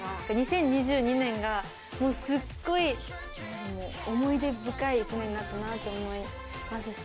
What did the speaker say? ２０２２年がもうすっごい思い出深い１年になったなって思いますし。